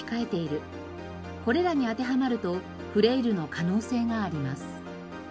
これらに当てはまるとフレイルの可能性があります。